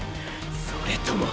それとも！！